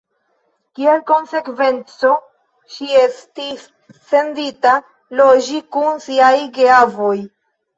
Kiel konsekvenco, ŝi estis sendita loĝi kun siaj geavoj.